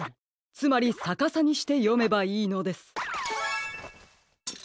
つまりさかさにしてよめばいいのです。